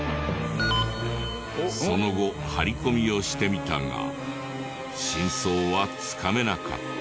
その後張り込みをしてみたが真相はつかめなかった。